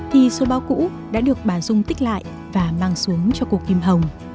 thì số báo cũ đã được bà dung tích lại và mang xuống cho cô kim hồng